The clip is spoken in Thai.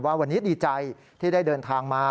ว่าวันนี้ดีใจที่ได้เดินทางมา